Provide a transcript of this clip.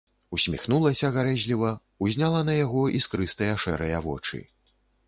Усміхнулася гарэзліва, узняла на яго іскрыстыя шэрыя вочы.